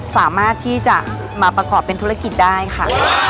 สามารถที่จะมาประกอบเป็นธุรกิจได้ค่ะ